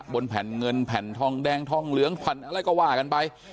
บนแผ่นเงินแผ่นทองแดงทองเหลืองแผ่นอะไรก็ว่ากันไป